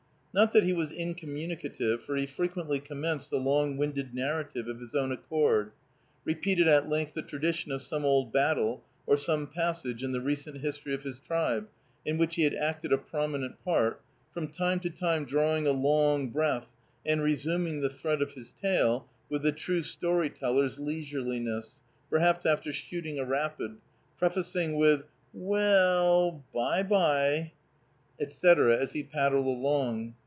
Not that he was incommunicative, for he frequently commenced a long winded narrative of his own accord, repeated at length the tradition of some old battle, or some passage in the recent history of his tribe in which he had acted a prominent part, from time to time drawing a long breath, and resuming the thread of his tale, with the true story teller's leisureliness, perhaps after shooting a rapid, prefacing with "We e ll, by by," etc., as he paddled along.